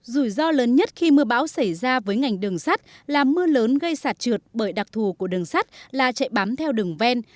rủi ro lớn nhất khi mưa bão xảy ra với ngành đường sắt là mưa lớn gây sạt trượt bởi đặc thù của đường sắt là chạy bám theo đường ven